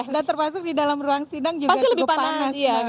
dan terpasuk di dalam ruang sidang juga cukup panas